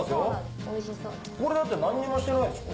これだって何にもしてないんでしょ？